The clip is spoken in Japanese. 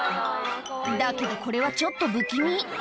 だけど、これはちょっと不気味。